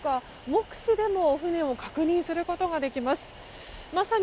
目視でも船を確認することができます。